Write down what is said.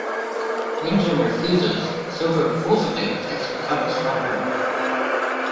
When Jim refuses, Silver forcibly takes the compass from him.